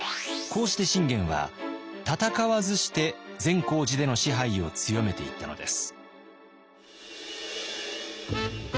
こうして信玄は戦わずして善光寺での支配を強めていったのです。